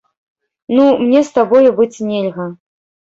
Ну, мне з табою быць нельга.